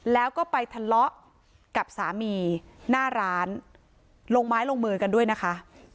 แล้วก็ไปทะเลาะกับสามีหน้าร้านลงไม้ลงมือกันด้วยนะคะ